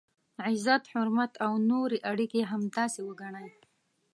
عزت، حرمت او نورې اړیکي همداسې وګڼئ.